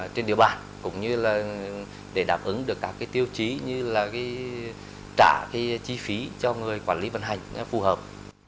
trên địa bàn cũng như là để đáp ứng được các tiêu chí như là trả chi phí cho người quản lý vận hành phù hợp